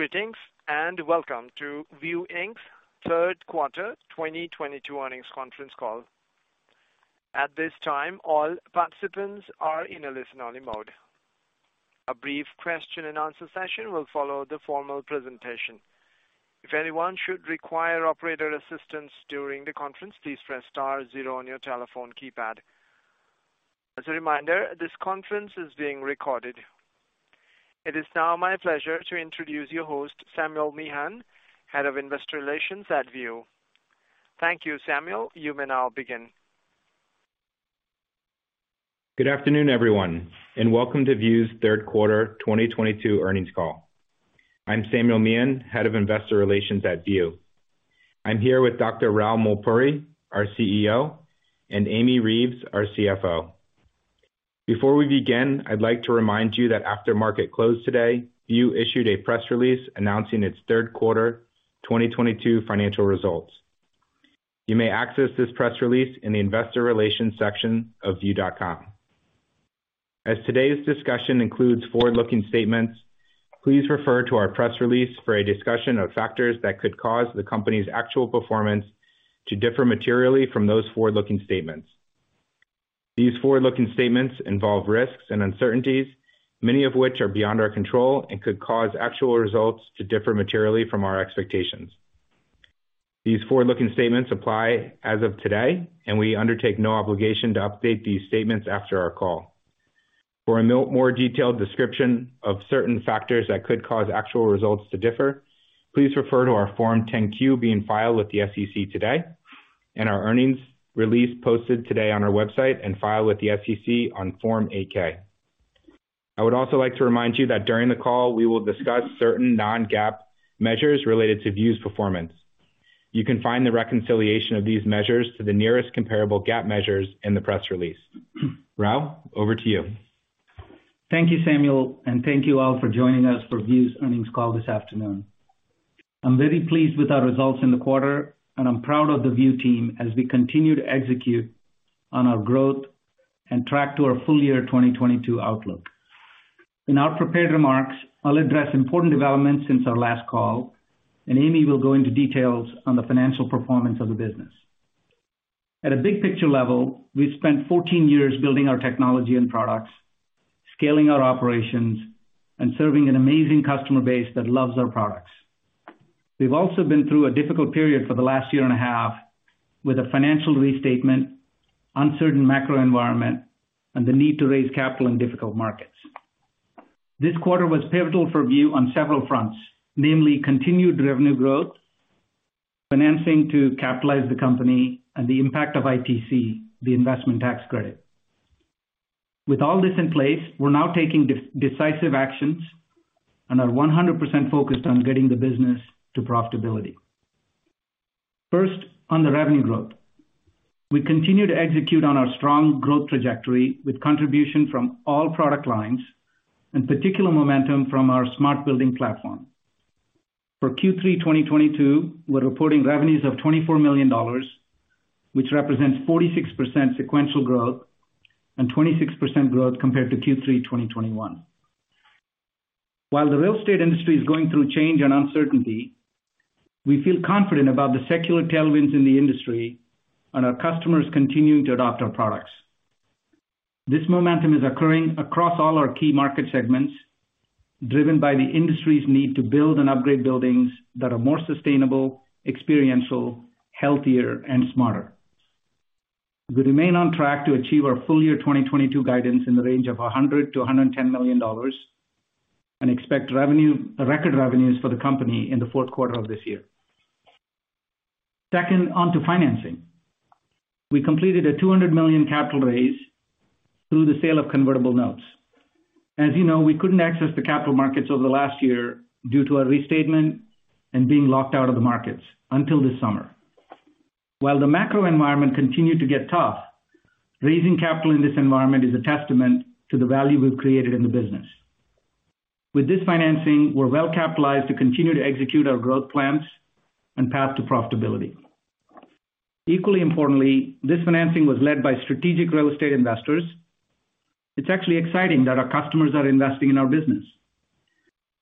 Greetings, and welcome to View, Inc.'s third quarter 2022 earnings conference call. At this time, all participants are in a listen-only mode. A brief question and answer session will follow the formal presentation. If anyone should require operator assistance during the conference, please press star zero on your telephone keypad. As a reminder, this conference is being recorded. It is now my pleasure to introduce your host, Samuel Meehan, Head of Investor Relations at View, Inc. Thank you, Samuel. You may now begin. Good afternoon, everyone, and welcome to View's third quarter 2022 earnings call. I'm Samuel Meehan, Head of Investor Relations at View. I'm here with Dr. Rao Mulpuri, our CEO, and Amy Reeves, our CFO. Before we begin, I'd like to remind you that after market close today, View issued a press release announcing its third quarter 2022 financial results. You may access this press release in the investor relations section of view.com. As today's discussion includes forward-looking statements, please refer to our press release for a discussion of factors that could cause the company's actual performance to differ materially from those forward-looking statements. These forward-looking statements involve risks and uncertainties, many of which are beyond our control and could cause actual results to differ materially from our expectations. These forward-looking statements apply as of today, and we undertake no obligation to update these statements after our call. For a more detailed description of certain factors that could cause actual results to differ, please refer to our Form 10-Q being filed with the SEC today, and our earnings release posted today on our website and filed with the SEC on Form 8-K. I would also like to remind you that during the call, we will discuss certain non-GAAP measures related to View's performance. You can find the reconciliation of these measures to the nearest comparable GAAP measures in the press release. Rao, over to you. Thank you, Samuel, and thank you all for joining us for View's earnings call this afternoon. I'm very pleased with our results in the quarter and I'm proud of the View team as we continue to execute on our growth and track to our full year 2022 outlook. In our prepared remarks, I'll address important developments since our last call, and Amy will go into details on the financial performance of the business. At a big picture level, we've spent 14 years building our technology and products, scaling our operations, and serving an amazing customer base that loves our products. We've also been through a difficult period for the last year and a half with a financial restatement, uncertain macro environment, and the need to raise capital in difficult markets. This quarter was pivotal for View on several fronts, namely continued revenue growth, financing to capitalize the company, and the impact of ITC, the investment tax credit. With all this in place, we're now taking decisive actions and are 100% focused on getting the business to profitability. First, on the revenue growth. We continue to execute on our strong growth trajectory with contribution from all product lines and particular momentum from our smart building platform. For Q3 2022, we're reporting revenues of $24 million, which represents 46% sequential growth and 26% growth compared to Q3 2021. While the real estate industry is going through change and uncertainty, we feel confident about the secular tailwinds in the industry and our customers continuing to adopt our products. This momentum is occurring across all our key market segments, driven by the industry's need to build and upgrade buildings that are more sustainable, experiential, healthier, and smarter. We remain on track to achieve our full year 2022 guidance in the range of $100 million-$110 million and expect record revenues for the company in the fourth quarter of this year. Second, onto financing. We completed a $200 million capital raise through the sale of convertible notes. As you know, we couldn't access the capital markets over the last year due to our restatement and being locked out of the markets until this summer. While the macro environment continued to get tough, raising capital in this environment is a testament to the value we've created in the business. With this financing, we're well-capitalized to continue to execute our growth plans and path to profitability. Equally importantly, this financing was led by strategic real estate investors. It's actually exciting that our customers are investing in our business.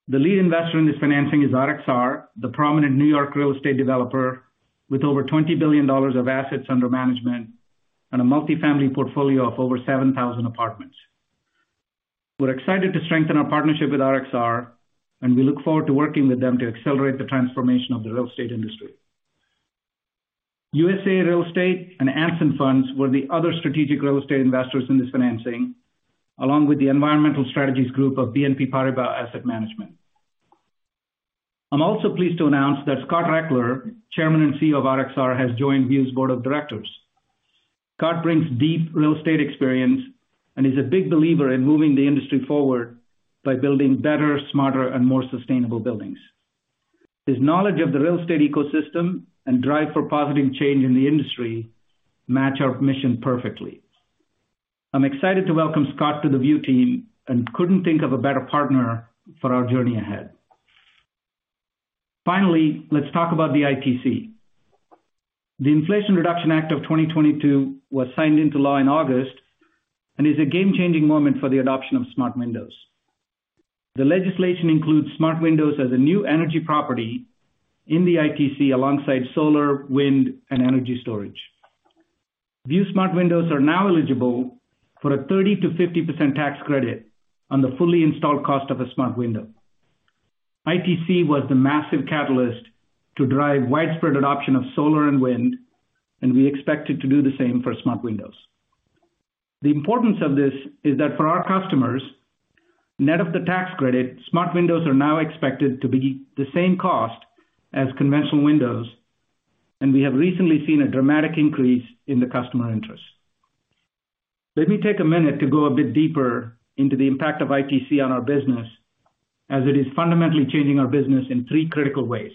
The lead investor in this financing is RXR, the prominent New York real estate developer with over $20 billion of assets under management and a multifamily portfolio of over 7,000 apartments. We're excited to strengthen our partnership with RXR, and we look forward to working with them to accelerate the transformation of the real estate industry. USAA Real Estate and Anson Funds were the other strategic real estate investors in this financing, along with the Environmental Strategies Group of BNP Paribas Asset Management. I'm also pleased to announce that Scott Rechler, Chairman and CEO of RXR, has joined View's board of directors. Scott brings deep real estate experience and is a big believer in moving the industry forward by building better, smarter, and more sustainable buildings. His knowledge of the real estate ecosystem and drive for positive change in the industry match our mission perfectly. I'm excited to welcome Scott to the View team and couldn't think of a better partner for our journey ahead. Finally, let's talk about the ITC. The Inflation Reduction Act of 2022 was signed into law in August and is a game changing moment for the adoption of smart windows. The legislation includes smart windows as a new energy property in the ITC alongside solar, wind and energy storage. View Smart Windows are now eligible for a 30%-50% tax credit on the fully installed cost of a smart window. ITC was the massive catalyst to drive widespread adoption of solar and wind, and we expect it to do the same for smart windows. The importance of this is that for our customers, net of the tax credit, smart windows are now expected to be the same cost as conventional windows, and we have recently seen a dramatic increase in the customer interest. Let me take a minute to go a bit deeper into the impact of ITC on our business as it is fundamentally changing our business in three critical ways.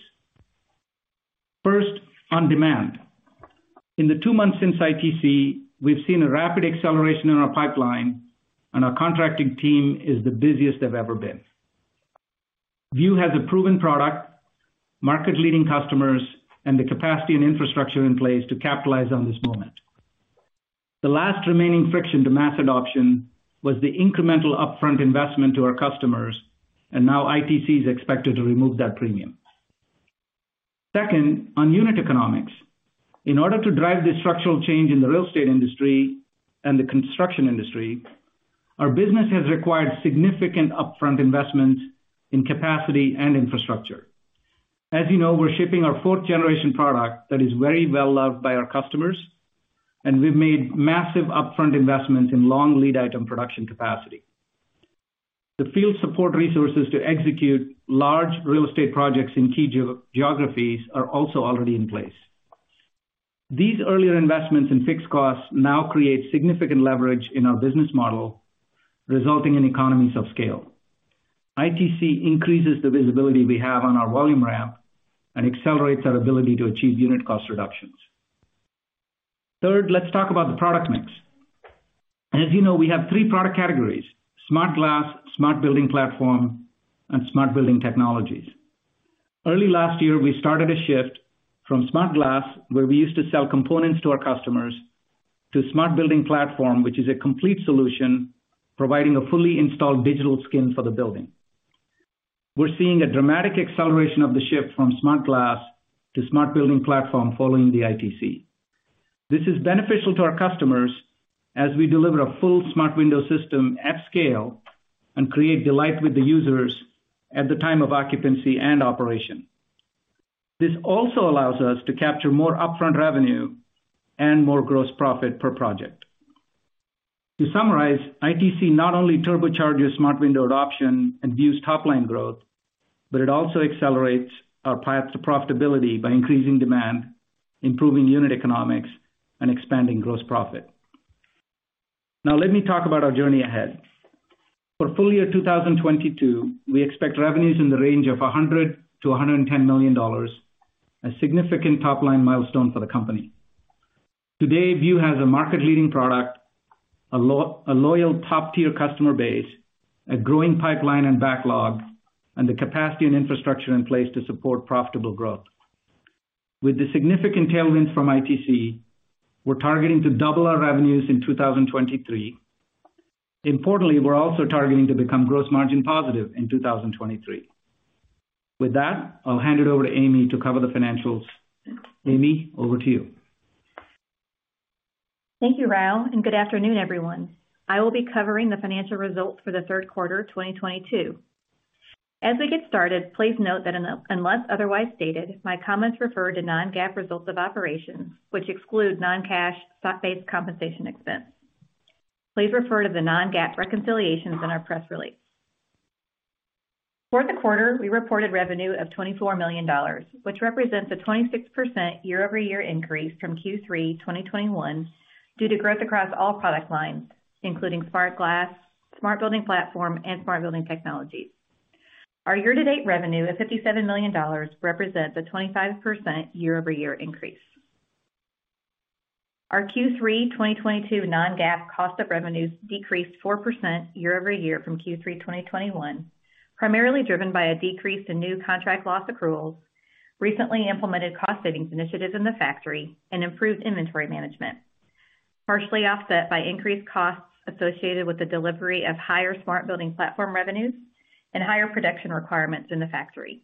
First, on demand. In the two months since ITC, we've seen a rapid acceleration in our pipeline and our contracting team is the busiest they've ever been. View has a proven product, market leading customers, and the capacity and infrastructure in place to capitalize on this moment. The last remaining friction to mass adoption was the incremental upfront investment to our customers, and now ITC is expected to remove that premium. Second, on unit economics. In order to drive this structural change in the real estate industry and the construction industry, our business has required significant upfront investment in capacity and infrastructure. As you know, we're shipping our fourth generation product that is very well loved by our customers, and we've made massive upfront investments in long lead item production capacity. The field support resources to execute large real estate projects in key geographies are also already in place. These earlier investments in fixed costs now create significant leverage in our business model, resulting in economies of scale. ITC increases the visibility we have on our volume ramp and accelerates our ability to achieve unit cost reductions. Third, let's talk about the product mix. As you know, we have three product categories, Smart Glass, Smart Building Platform, and Smart Building Technologies. Early last year, we started a shift from Smart Glass, where we used to sell components to our customers, to Smart Building Platform, which is a complete solution providing a fully installed digital skin for the building. We're seeing a dramatic acceleration of the shift from Smart Glass to Smart Building Platform following the ITC. This is beneficial to our customers as we deliver a full Smart Window system at scale and create delight with the users at the time of occupancy and operation. This also allows us to capture more upfront revenue and more gross profit per project. To summarize, ITC not only turbocharges Smart Window adoption and View's top line growth, but it also accelerates our path to profitability by increasing demand, improving unit economics, and expanding gross profit. Now let me talk about our journey ahead. For full year 2022, we expect revenues in the range of $100 million-$110 million, a significant top line milestone for the company. Today, View has a market leading product, a loyal top tier customer base, a growing pipeline and backlog, and the capacity and infrastructure in place to support profitable growth. With the significant tailwinds from ITC, we're targeting to double our revenues in 2023. Importantly, we're also targeting to become gross margin positive in 2023. With that, I'll hand it over to Amy to cover the financials. Amy, over to you. Thank you, Rao, and good afternoon, everyone. I will be covering the financial results for the third quarter of 2022. As we get started, please note that unless otherwise stated, my comments refer to non-GAAP results of operations which exclude non-cash stock-based compensation expense. Please refer to the non-GAAP reconciliations in our press release. For the quarter, we reported revenue of $24 million which represents a 26% year-over-year increase from Q3 2021 due to growth across all product lines, including Smart Glass, Smart Building Platform, and Smart Building Technologies. Our year-to-date revenue of $57 million represents a 25% year-over-year increase. Our Q3 2022 non-GAAP cost of revenues decreased 4% year-over-year from Q3 2021, primarily driven by a decrease in new contract loss accruals, recently implemented cost savings initiatives in the factory and improved inventory management, partially offset by increased costs associated with the delivery of higher smart building platform revenues and higher production requirements in the factory.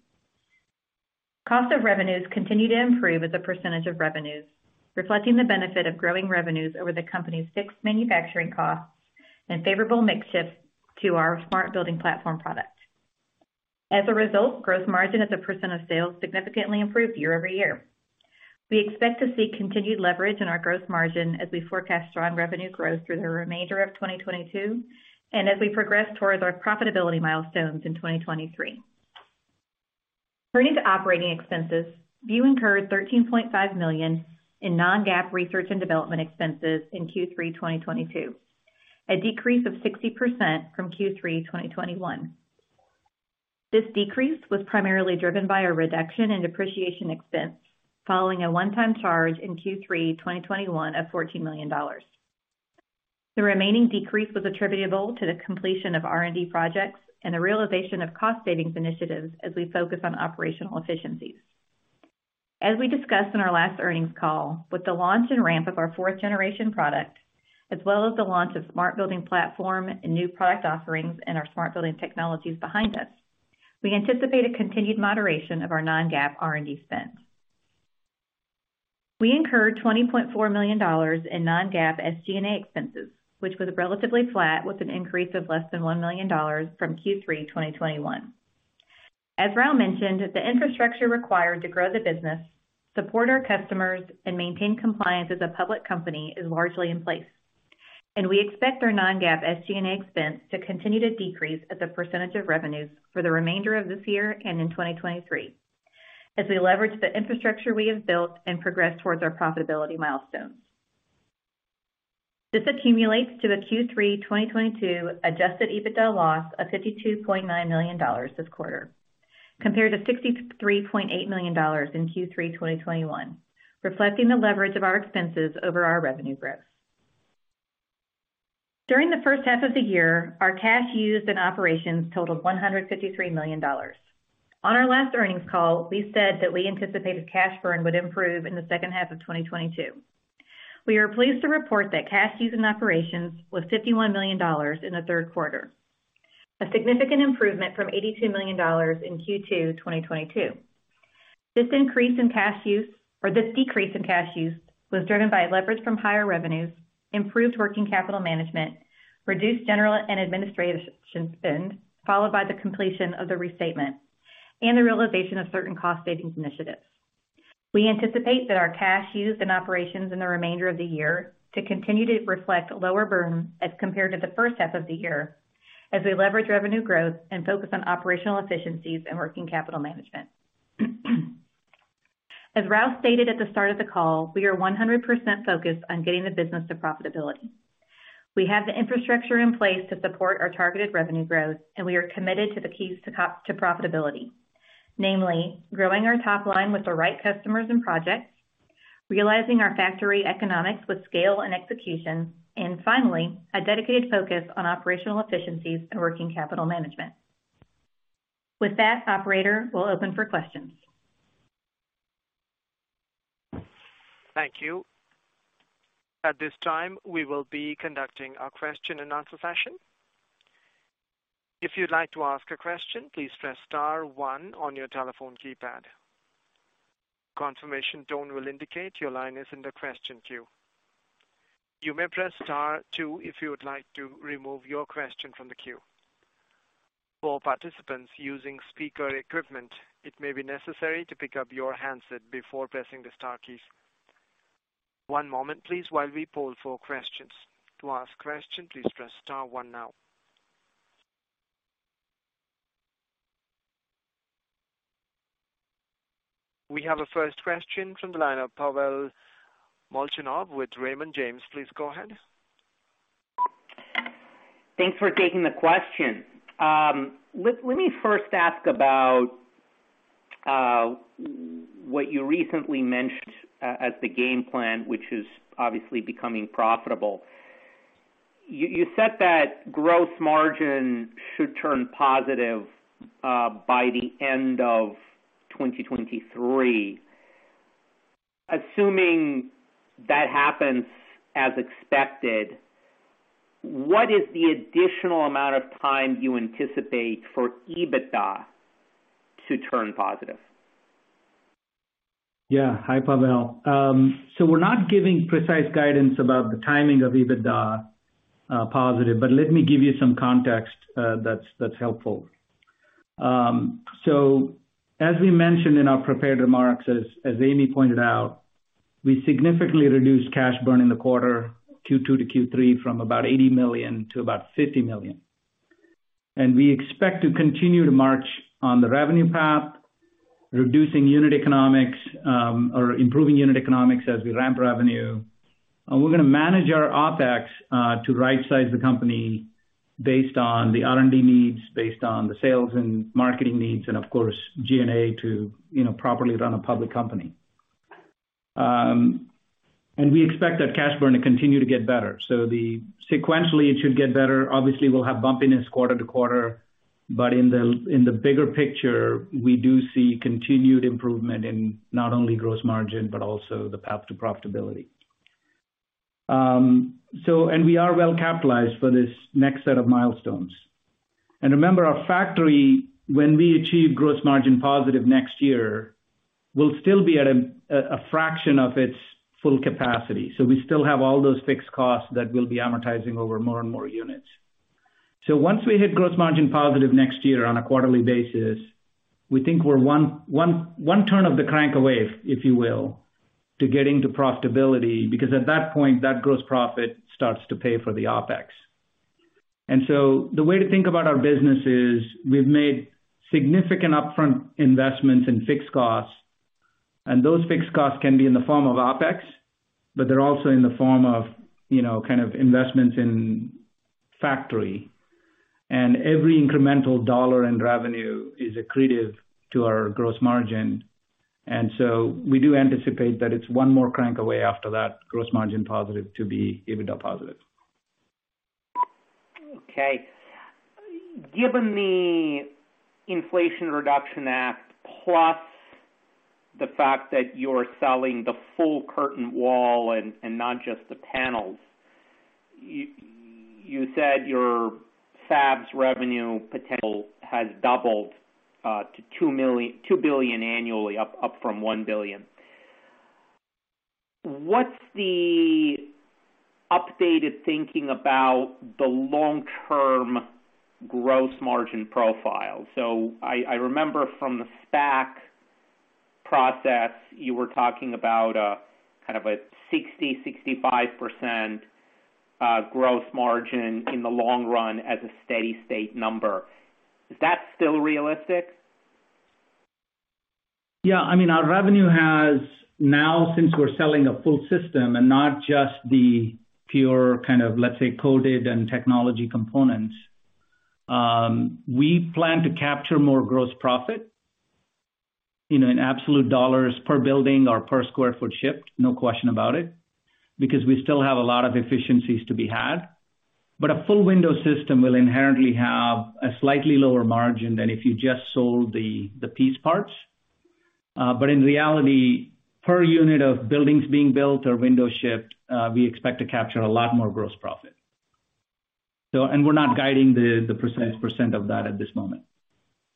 Cost of revenues continue to improve as a percentage of revenues, reflecting the benefit of growing revenues over the company's fixed manufacturing costs and favorable mix shift to our smart building platform product. As a result, gross margin as a percentage of sales significantly improved year-over-year. We expect to see continued leverage in our gross margin as we forecast strong revenue growth through the remainder of 2022 and as we progress towards our profitability milestones in 2023. Turning to operating expenses, View incurred $13.5 million in non-GAAP research and development expenses in Q3 2022, a decrease of 60% from Q3 2021. This decrease was primarily driven by a reduction in depreciation expense following a one-time charge in Q3 2021 of $14 million. The remaining decrease was attributable to the completion of R&D projects and the realization of cost savings initiatives as we focus on operational efficiencies. As we discussed in our last earnings call, with the launch and ramp of our fourth-generation product, as well as the launch of Smart Building Platform and new product offerings and our Smart Building Technologies behind us, we anticipate a continued moderation of our non-GAAP R&D spend. We incurred $20.4 million in non-GAAP SG&A expenses, which was relatively flat, with an increase of less than $1 million from Q3 2021. As Rao mentioned, the infrastructure required to grow the business, support our customers, and maintain compliance as a public company is largely in place, and we expect our non-GAAP SG&A expense to continue to decrease as a percentage of revenues for the remainder of this year and in 2023 as we leverage the infrastructure we have built and progress towards our profitability milestones. This accumulates to a Q3 2022 adjusted EBITDA loss of $52.9 million this quarter, compared to $63.8 million in Q3 2021, reflecting the leverage of our expenses over our revenue growth. During the first half of the year, our cash used in operations totaled $153 million. On our last earnings call, we said that we anticipated cash burn would improve in the second half of 2022. We are pleased to report that cash used in operations was $51 million in the third quarter, a significant improvement from $82 million in Q2 2022. This increase in cash use, or this decrease in cash use was driven by leverage from higher revenues, improved working capital management, reduced general and administrative spend, followed by the completion of the restatement and the realization of certain cost savings initiatives. We anticipate that our cash used in operations in the remainder of the year to continue to reflect lower burn as compared to the first half of the year as we leverage revenue growth and focus on operational efficiencies and working capital management. As Rao stated at the start of the call, we are 100% focused on getting the business to profitability. We have the infrastructure in place to support our targeted revenue growth, and we are committed to the keys to profitability, namely growing our top line with the right customers and projects, realizing our factory economics with scale and execution, and finally, a dedicated focus on operational efficiencies and working capital management. With that, operator, we'll open for questions. Thank you. At this time, we will be conducting a question-and-answer session. If you'd like to ask a question, please press star one on your telephone keypad. Confirmation tone will indicate your line is in the question queue. You may press star two if you would like to remove your question from the queue. For participants using speaker equipment, it may be necessary to pick up your handset before pressing the star keys. One moment please while we poll for questions. To ask question, please press star one now. We have a first question from the line of Pavel Molchanov with Raymond James. Please go ahead. Thanks for taking the question. Let me first ask about what you recently mentioned as the game plan, which is obviously becoming profitable. You said that gross margin should turn positive by the end of 2023. Assuming that happens as expected, what is the additional amount of time you anticipate for EBITDA to turn positive? Yeah. Hi, Pavel. We're not giving precise guidance about the timing of EBITDA positive, but let me give you some context that's helpful. As we mentioned in our prepared remarks, as Amy pointed out, we significantly reduced cash burn in the quarter Q2 to Q3 from about $80 million to about $50 million. We expect to continue to march on the revenue path, reducing unit economics or improving unit economics as we ramp revenue. We're gonna manage our OpEx to right size the company based on the R&D needs, based on the sales and marketing needs and of course, G&A to, you know, properly run a public company. We expect that cash burn to continue to get better. Sequentially, it should get better. Obviously, we'll have bumpiness quarter to quarter, but in the bigger picture, we do see continued improvement in not only gross margin, but also the path to profitability. We are well capitalized for this next set of milestones. Remember our factory, when we achieve gross margin positive next year, will still be at a fraction of its full capacity. We still have all those fixed costs that we'll be amortizing over more and more units. Once we hit gross margin positive next year on a quarterly basis, we think we're one turn of the crank away, if you will, to getting to profitability, because at that point, that gross profit starts to pay for the OpEx. The way to think about our business is we've made significant upfront investments in fixed costs, and those fixed costs can be in the form of OpEx, but they're also in the form of, you know, kind of investments in factory. Every incremental dollar in revenue is accretive to our gross margin. We do anticipate that it's one more crank away after that gross margin positive to be EBITDA positive. Given the Inflation Reduction Act, plus the fact that you're selling the full curtain wall and not just the panels, you said your fab's revenue potential has doubled to $2 billion annually, up from $1 billion. What's the updated thinking about the long-term gross margin profile? I remember from the SPAC process, you were talking about kind of a 60%-65% gross margin in the long run as a steady-state number. Is that still realistic? Yeah. I mean, our revenue has now, since we're selling a full system and not just the pure kind of, let's say, coated and technology components, we plan to capture more gross profit, you know, in absolute dollars per building or per square foot shipped, no question about it, because we still have a lot of efficiencies to be had. A full window system will inherently have a slightly lower margin than if you just sold the piece parts. In reality, per unit of buildings being built or windows shipped, we expect to capture a lot more gross profit. We're not guiding the precise percent of that at this moment.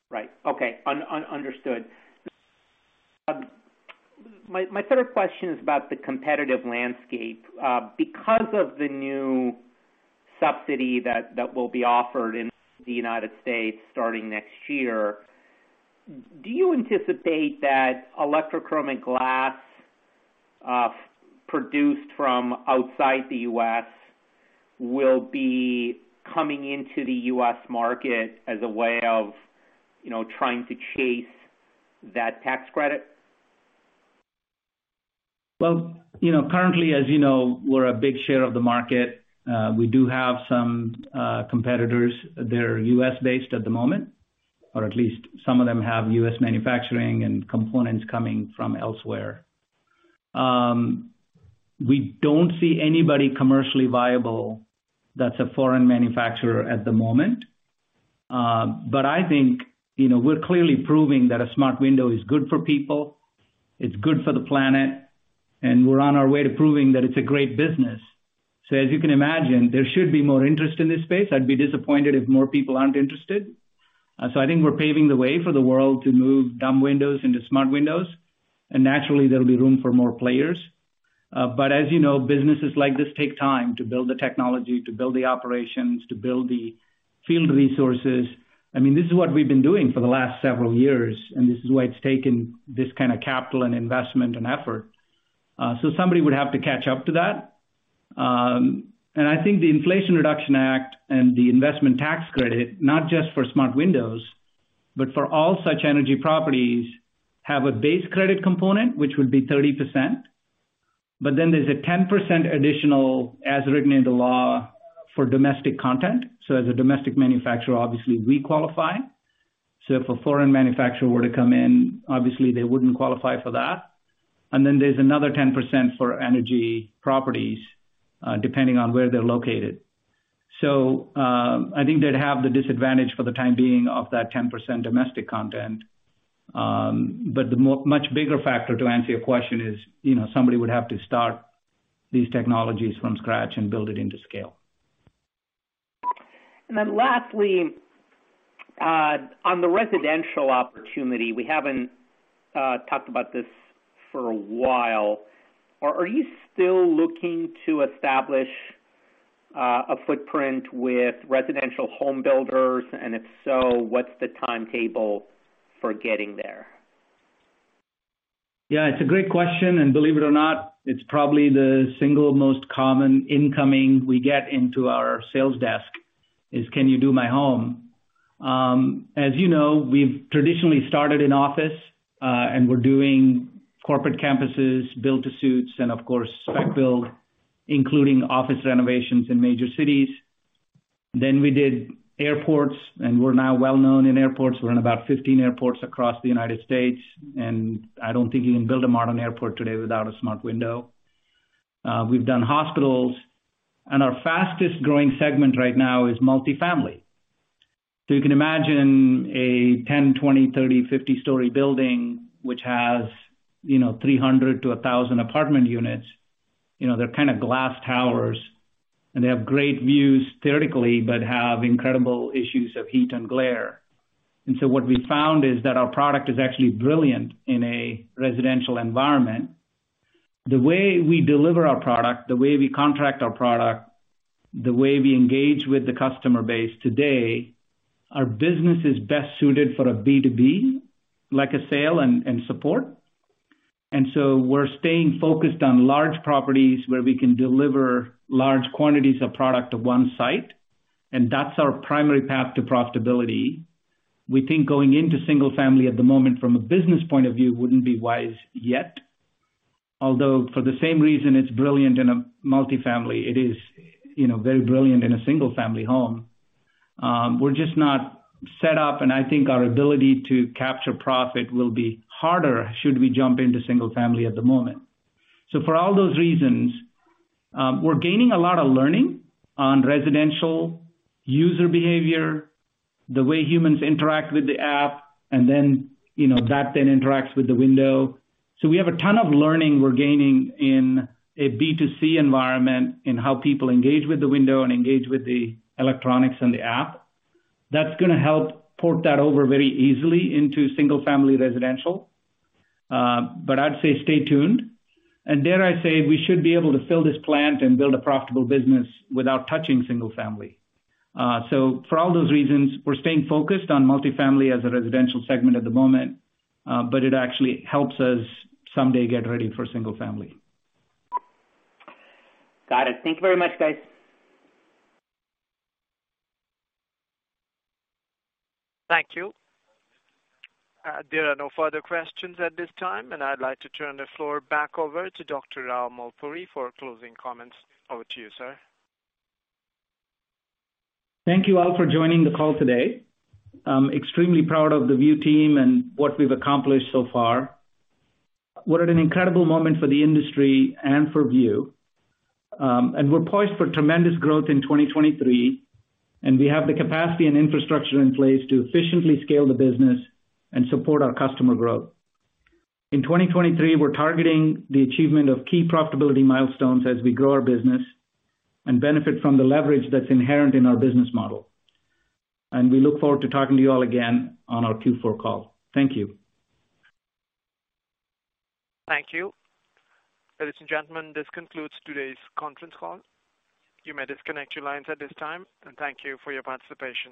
Right. Okay. Understood. My third question is about the competitive landscape. Because of the new subsidy that will be offered in the United States starting next year, do you anticipate that electrochromic glass produced from outside the U.S. will be coming into the U.S. market as a way of, you know, trying to chase that tax credit? Well, you know, currently, as you know, we're a big share of the market. We do have some competitors. They're U.S.-based at the moment, or at least some of them have U.S. manufacturing and components coming from elsewhere. We don't see anybody commercially viable that's a foreign manufacturer at the moment. I think, you know, we're clearly proving that a smart window is good for people, it's good for the planet, and we're on our way to proving that it's a great business. As you can imagine, there should be more interest in this space. I'd be disappointed if more people aren't interested. I think we're paving the way for the world to move dumb windows into smart windows, and naturally, there'll be room for more players. As you know, businesses like this take time to build the technology, to build the operations, to build the field resources. I mean, this is what we've been doing for the last several years, and this is why it's taken this kinda capital and investment and effort. Somebody would have to catch up to that. I think the Inflation Reduction Act and the Investment Tax Credit, not just for smart windows, but for all such energy properties, have a base credit component, which would be 30%. Then there's a 10% additional, as written in the law, for domestic content. As a domestic manufacturer, obviously we qualify. If a foreign manufacturer were to come in, obviously they wouldn't qualify for that. Then there's another 10% for energy properties, depending on where they're located. I think they'd have the disadvantage for the time being of that 10% domestic content. The much bigger factor to answer your question is, you know, somebody would have to start these technologies from scratch and build it into scale. Then lastly, on the residential opportunity, we haven't talked about this for a while. Are you still looking to establish a footprint with residential home builders? If so, what's the timetable for getting there? Yeah, it's a great question, and believe it or not, it's probably the single most common incoming we get into our sales desk, is, "Can you do my home?" As you know, we've traditionally started in office, and we're doing corporate campuses, build to suits, and of course, spec build, including office renovations in major cities. We did airports, and we're now well-known in airports. We're in about 15 airports across the United States, and I don't think you can build a modern airport today without a smart window. We've done hospitals, and our fastest growing segment right now is multifamily. You can imagine a 10-, 20-, 30-, 50-story building which has, you know, 300-1,000 apartment units. You know, they're kinda glass towers, and they have great views theoretically, but have incredible issues of heat and glare. What we found is that our product is actually brilliant in a residential environment. The way we deliver our product, the way we contract our product, the way we engage with the customer base today, our business is best suited for a B2B, like a sale and support. We're staying focused on large properties where we can deliver large quantities of product to one site, and that's our primary path to profitability. We think going into single family at the moment from a business point of view wouldn't be wise yet. Although for the same reason it's brilliant in a multifamily, it is, you know, very brilliant in a single family home. We're just not set up, and I think our ability to capture profit will be harder should we jump into single family at the moment. For all those reasons, we're gaining a lot of learning on residential user behavior, the way humans interact with the app, and then, you know, that then interacts with the window. We have a ton of learning we're gaining in a B2C environment in how people engage with the window and engage with the electronics and the app. That's gonna help port that over very easily into single family residential. I'd say stay tuned. Dare I say, we should be able to fill this plant and build a profitable business without touching single family. For all those reasons, we're staying focused on multifamily as a residential segment at the moment, but it actually helps us someday get ready for single family. Got it. Thank you very much, guys. Thank you. There are no further questions at this time, and I'd like to turn the floor back over to Dr. Rao Mulpuri for closing comments. Over to you, sir. Thank you all for joining the call today. I'm extremely proud of the View team and what we've accomplished so far. We're at an incredible moment for the industry and for View. We're poised for tremendous growth in 2023, and we have the capacity and infrastructure in place to efficiently scale the business and support our customer growth. In 2023, we're targeting the achievement of key profitability milestones as we grow our business and benefit from the leverage that's inherent in our business model. We look forward to talking to you all again on our Q4 call. Thank you. Thank you. Ladies and gentlemen, this concludes today's conference call. You may disconnect your lines at this time, and thank you for your participation.